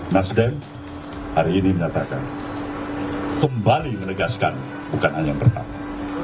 nasdem hari ini menyatakan kembali menegaskan bukan hal yang pertama